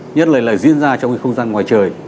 nhất là diễn ra trong cái không gian ngoài trời